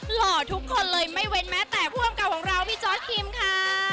หล่อทุกคนเลยไม่เว้นแม้แต่ผู้กำกับของเราพี่จอร์ดคิมค่ะ